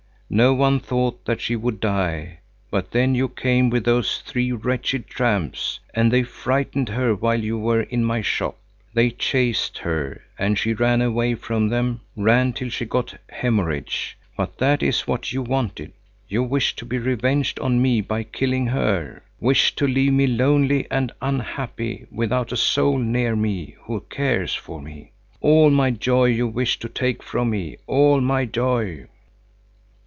No one thought that she would die; but then you came with those three wretched tramps, and they frightened her while you were in my shop. They chased her, and she ran away from them, ran till she got a hemorrhage. But that is what you wanted; you wished to be revenged on me by killing her, wished to leave me lonely and unhappy without a soul near me who cares for me. All my joy you wished to take from me, all my joy."